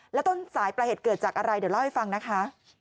แล้วต้นสายปลายเหตุเกิดจากอะไรเดี๋ยวเล่าให้ฟังนะคะ